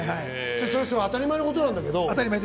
当たり前のことなんだけど。